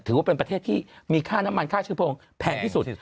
ถือว่าเป็นประเทศที่มีค่าน้ำมันค่าเชื้อเพลิงแพงที่สุด